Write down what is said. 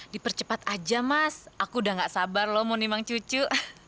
dipercepat aja mas aku udah gak sabar loh mau nimang cucu